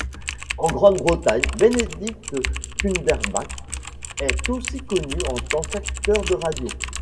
En Grande-Bretagne, Benedict Cumberbatch est aussi connu en tant qu'acteur de radio.